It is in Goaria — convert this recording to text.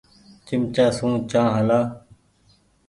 چمچآ سون چآنه هلآ۔